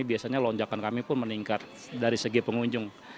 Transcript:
biasanya lonjakan kami pun meningkat dari segi pengunjung